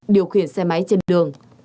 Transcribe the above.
điều khiển xe máy trên đường